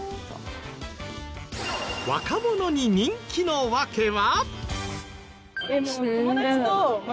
若者に人気の訳は。